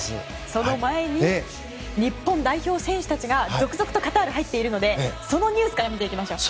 その前に日本代表選手たちが続々とカタールに入っているのでそのニュースから見ていきましょう。